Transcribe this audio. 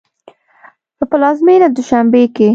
په پلازمېنه دوشنبه کې